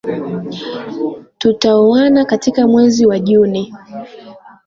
Tutaoana katika mwezi wa Juni.